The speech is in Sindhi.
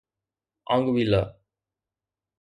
آنگويلا